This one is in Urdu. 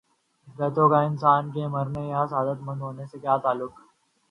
کتوں کا انسان کے مرنے یا صحت مند ہونے سے کیا تعلق